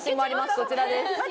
こちらです。